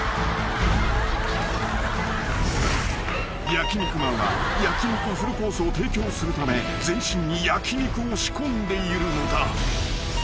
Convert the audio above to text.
［焼肉マンは焼き肉フルコースを提供するため全身に焼き肉を仕込んでいるのだ］